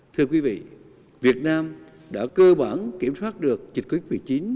thưa quý vị việt nam đã cơ bản kiểm soát được dịch covid một mươi chín